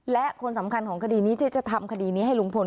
และคนสำคัญของคดีนี้ที่จะทำคดีนี้ให้ลุงพล